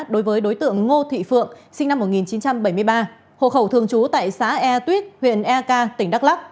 đối với đối tượng ngô thị phượng sinh năm một nghìn chín trăm bảy mươi ba hộ khẩu thường trú tại xã e tuyết huyện ek tỉnh đắk lắc